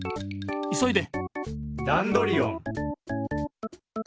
いそいで。